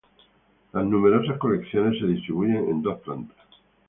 Las numerosas colecciones se distribuyen en dos plantas.